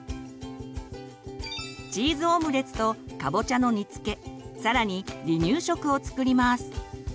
チーズオムレツとかぼちゃの煮つけ更に離乳食を作ります。